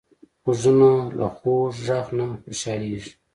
غوږونه له خوږ غږ نه خوشحالېږي